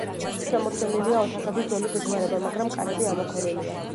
შემორჩენილია ოთახების ძველი გეგმარება მაგრამ კარები ამოქოლილია.